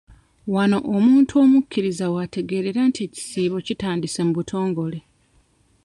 Wano omuntu omukkiriza w'ategeerera nti ekisiibo kitandise mu butongole.